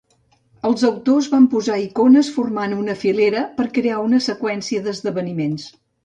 Els "autors" van posar icones formant una "filera" per crear una seqüència d'esdeveniments.